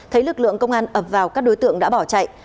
thấy lực lượng công an ập vào các đối tượng đã bỏ chạy